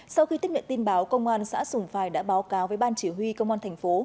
sau khi tích miệng tin báo công an xã sùng phài đã báo cáo với ban chỉ huy công an thành phố